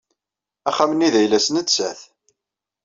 Axxam-nni d ayla-nnes nettat.